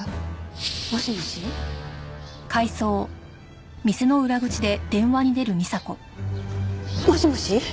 もしもし？もしもし？